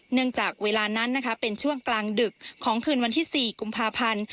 เนื่องจากเวลานั้นนะคะเป็นช่วงกลางดึกของคืนวันที่๔กุมภาพันธ์